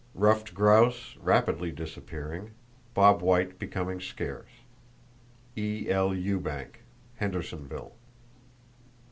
Ruffed grouse rapidly disappearing; bobwhite becoming scarce.—(E.L. Ewbank, Hendersonville.)